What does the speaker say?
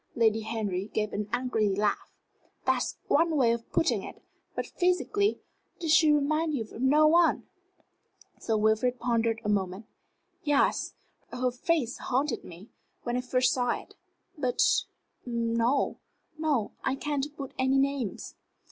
Lady Henry gave an angry laugh. "That's one way of putting it. But physically did she remind you of no one?" Sir Wilfrid pondered a moment. "Yes. Her face haunted me, when I first saw it. But no; no, I can't put any names."